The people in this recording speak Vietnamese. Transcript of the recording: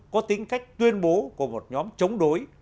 có tính cách tuyên bố của một nhóm chống đối